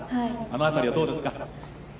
あの辺りはどうですか。